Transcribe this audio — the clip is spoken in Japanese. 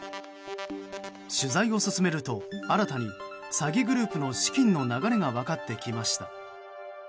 取材を進めると、新たに詐欺グループの資金の流れが分かってきました。